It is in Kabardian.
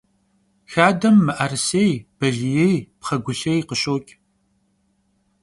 Xadem mı'erısêy, baliêy, pxhegulhêy khışoç'.